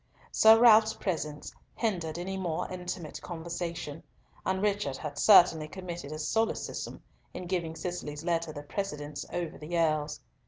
Sir Ralf's presence hindered any more intimate conversation, and Richard had certainly committed a solecism in giving Cicely's letter the precedence over the Earl's.